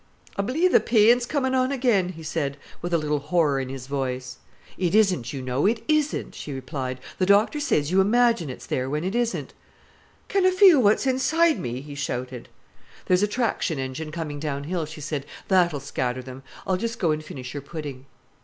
"I b'lieve th' peen's commin' on again," he said, with a little horror in his voice. "It isn't, you know, it isn't," she replied. "The doctor says you imagine it's there when it isn't." "Canna I feel what's inside me?" he shouted. "There's a traction engine coming downhill," she said. "That'll scatter them. I'll just go an' finish your pudding."